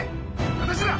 私だ！